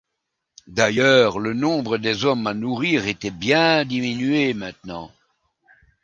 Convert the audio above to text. D’ailleurs, le nombre des hommes à nourrir était bien diminué maintenant.